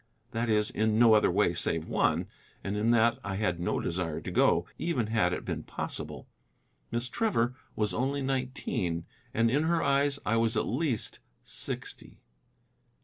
That is, in no other way save one, and in that I had no desire to go, even had it been possible. Miss Trevor was only nineteen, and in her eyes I was at least sixty.